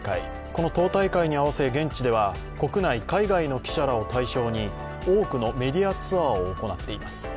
この党大会に合わせ現地では国内海外の記者らを対象に多くのメディアツアーを行っています。